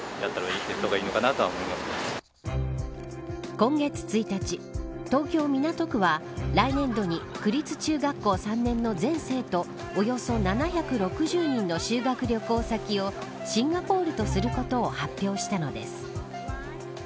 今月１日東京・港区は来年度に区立中学校３年の全生徒およそ７６０人の修学旅行先をシンガポールとすることを発表したのです。